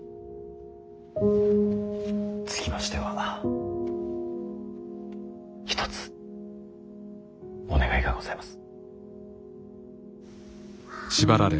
つきましては一つお願いがございます。